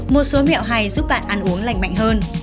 một số mẹo hay giúp bạn ăn uống lành mạnh hơn